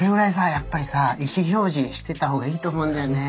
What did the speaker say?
やっぱりさ意思表示してたほうがいいと思うんだよね。